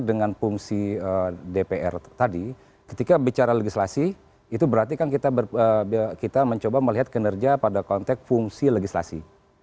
dengan fungsi dpr tadi ketika bicara legislasi itu berarti kan kita mencoba melihat kinerja pada konteks fungsi legislasi